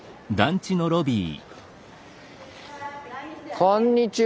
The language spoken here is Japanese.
こんにちは。